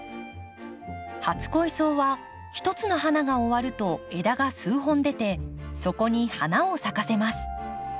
初恋草は一つの花が終わると枝が数本出てそこに花を咲かせます。